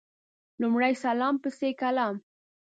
لمړی سلام پسي کلام